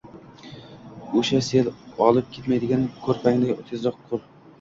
O‘sha sel olib ketmaydigan ko‘prigingni tezroq qur